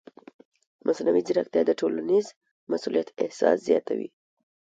مصنوعي ځیرکتیا د ټولنیز مسؤلیت احساس زیاتوي.